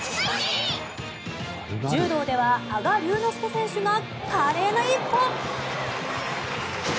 柔道では羽賀龍之介選手が華麗な一本！